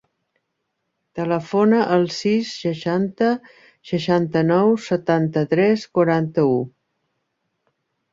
Telefona al sis, seixanta, seixanta-nou, setanta-tres, quaranta-u.